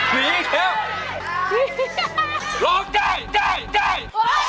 ผีเข้าร้องได้ได้ได้